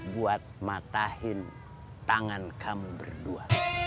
buat matain tangan kamu berdua